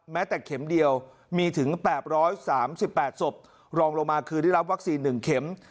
แม้แต่เข็มเดียวมีถึงแปบร้อยสามสิบแปดสบรองลงมาคือได้รับวัคซีนหนึ่งเข็ม